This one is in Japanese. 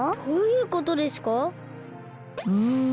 どういうことですか？